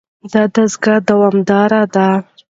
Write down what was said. دا دستګاه دوامداره ده.